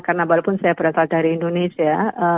karena walaupun saya berasal dari indonesia